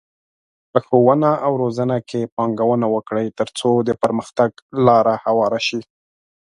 په ښوونه او روزنه کې پانګونه وکړئ، ترڅو د پرمختګ لاره هواره شي.